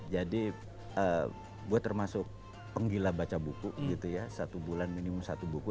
jadi gue termasuk penggila baca buku gitu ya satu bulan minimum satu buku